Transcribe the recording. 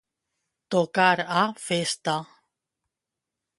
Tocar a festa.